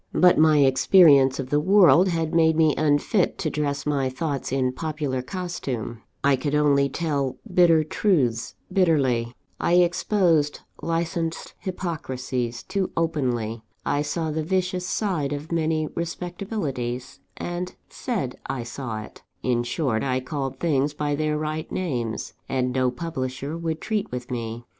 But my experience of the world had made me unfit to dress my thoughts in popular costume: I could only tell bitter truths bitterly; I exposed licenced hypocrisies too openly; I saw the vicious side of many respectabilities, and said I saw it in short, I called things by their right names; and no publisher would treat with me.